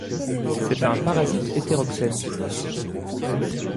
C'est un parasite hétéroxène.